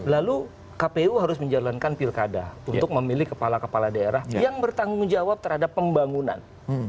lalu kpu harus menjalankan pilkada untuk memilih kepala kepala daerah yang bertanggung jawab terhadap pembangunan